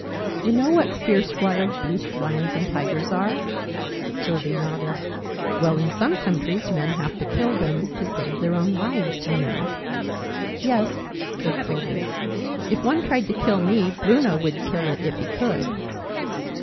"You know what fierce wild beasts lions and tigers are?" Sylvie nodded. "Well, in some countries men have to kill them, to save their own lives, you know." "Yes," said Sylvie: "if one tried to kill me, Bruno would kill it if he could."